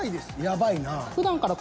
やばいなぁ。